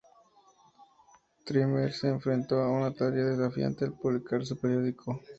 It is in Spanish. Trimmer se enfrentó a una tarea desafiante al publicar su periódico.